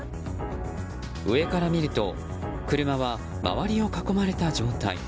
上から見ると車は周りを囲まれた状態。